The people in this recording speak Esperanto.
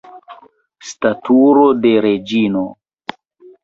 Staturo de reĝino!